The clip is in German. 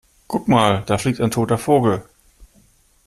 Guck mal, da fliegt ein toter Vogel!